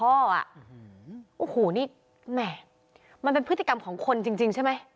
โอ้โหนี่แหม่มันเป็นพฤติกรรมของคนจริงใช่ไหม